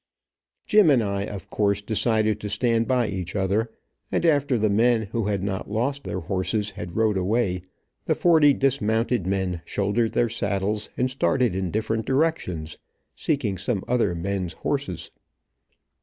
Jim and I, of course, decided to stand by each, other, and after the men who had not lost their horses, had rode away, the forty dismounted men shouldered their saddles, and started in different directions, seeking some other men's horses.